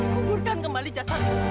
kuburkan kembali jasadmu